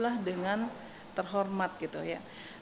dalam hal ini kan terhormat itu dengan tidak mengikuti aturan belanda gitu